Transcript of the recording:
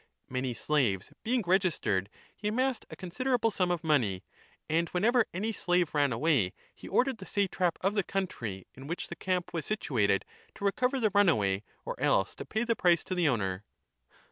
2 Many slaves being registered, he amassed a i353 a considerable sum of money. And whenever any slave ran away he ordered the satrap of the country 3 in which the camp was situated to recover the runaway or else to pay the price to the owner.